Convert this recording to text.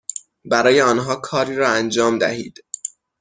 برای آنها کاری را انجام دهید،